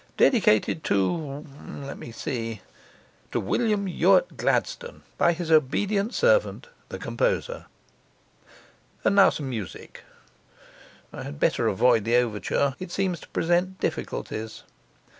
"Dedicated to" (let me see) "to William Ewart Gladstone, by his obedient servant the composer." And now some music: I had better avoid the overture; it seems to present difficulties.